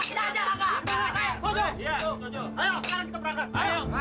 ayo sekarang kita berangkat